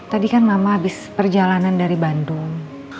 tadi kan mama habis perjalanan dari bandung